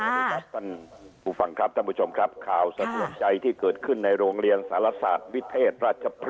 มันผู้ฟังครับด้านประชงครับข่าวใจที่เกิดขึ้นในโรงเรียนศาลศาสตร์วิทยาลัย